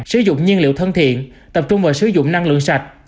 sử dụng nhiên liệu thân thiện tập trung vào sử dụng năng lượng sạch